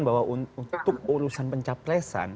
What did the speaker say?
bahwa untuk urusan pencaplesan